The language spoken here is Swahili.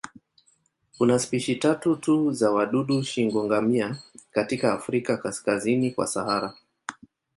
Kuna spishi tatu tu za wadudu shingo-ngamia katika Afrika kaskazini kwa Sahara.